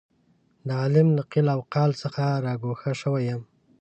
د عالم له قیل او قال څخه را ګوښه شوی یم.